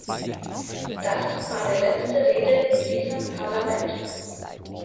Das ist meine letzte Rede in diesem Parlament.